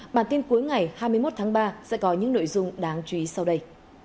bản tin cuối ngày hai mươi một tháng ba sẽ có những nội dung đáng chú ý sau đây